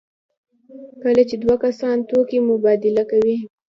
کله چې دوه کسان توکي مبادله کوي.